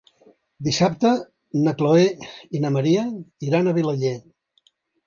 Dissabte na Chloé i na Maria iran a Vilaller.